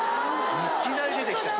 いきなり出てきた。